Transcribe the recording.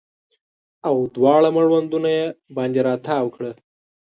او دواړه مړوندونه یې باندې راتاو کړه